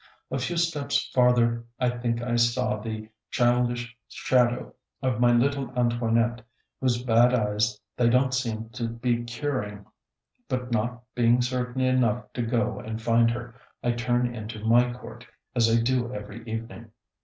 A few steps farther I think I saw the childish shadow of little Antoinette, whose bad eyes they don't seem to be curing; but not being certain enough to go and find her I turn into my court, as I do every evening.